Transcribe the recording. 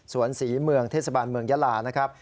ศรีเมืองเทศบาลเมืองยาลานะครับ